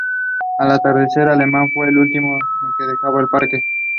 It is owned by the Incorporated Village of Flower Hill.